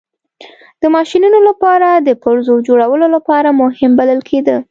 د ماشینونو لپاره د پرزو جوړولو لپاره مهم بلل کېده.